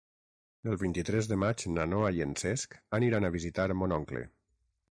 El vint-i-tres de maig na Noa i en Cesc aniran a visitar mon oncle.